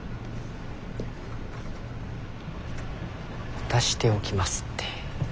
渡しておきますって。